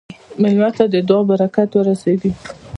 مېلمه ته د دعا برکت ورسېږه.